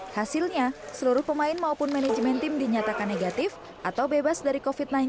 hasilnya seluruh pemain maupun manajemen tim dinyatakan negatif atau bebas dari covid sembilan belas